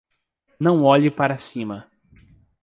Não olhe para cima